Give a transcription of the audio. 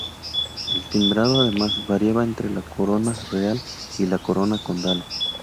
El timbrado además, variaba entre la corona real y la corona condal.